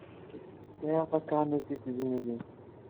Sɛiɣ takarnit i tezmilin.